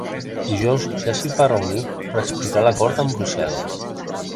Dijous ja s’hi va reunir per explicar l’acord amb Brussel·les.